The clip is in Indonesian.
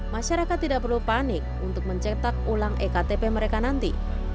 masyarakat tidak perlu panik untuk mencetak ulang ektp mereka nanti